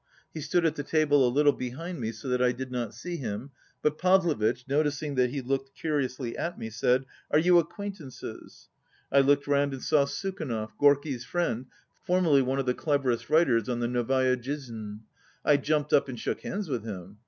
He stood at the table a little behind me, so that I did not see him, but Pavlovitch, noticing that he looked curiously at me, said, "Are you acquaintances?" I looked round and saw 102 Sukhanov, Gorky's friend, formerly one of the cleverest writers on the Novaya Jizn. I jumped up and shook hands with him.